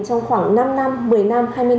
trong khoảng năm năm một mươi năm hai mươi năm